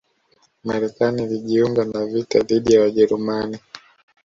Marekani ilijiunga na vita dhidi ya Wajerumani